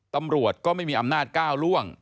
ตำรวจก็ไม่มีอำนาจก้าวล่วง